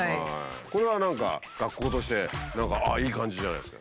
これは何か学校として何かいい感じじゃないですか。